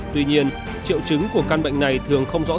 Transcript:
tuy nhiên triệu chứng của căn bệnh này thường không rõ